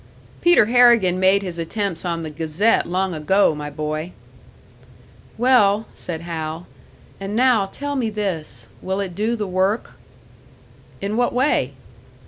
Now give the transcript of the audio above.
"Peter Harrigan made his attempts on the Gazette long ago, my boy." "Well," said Hal, "and now tell me this will it do the work?" "In what way?"